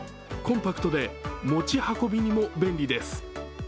コンパクトで持ち運びにも便利です。